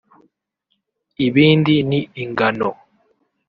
Ibindi ni ingano